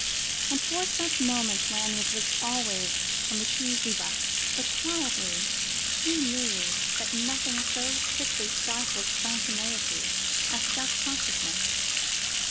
And for such moments Lanyard was always on the qui vive, but quietly, who knew that nothing so quickly stifles spontaneity as self consciousness.